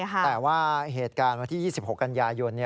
แต่ว่าเหตุการณ์วันที่๒๖กันยายน